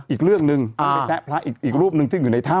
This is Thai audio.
อีกเรื่องหนึ่งมันไปแซะพระอีกรูปหนึ่งที่อยู่ในถ้ำ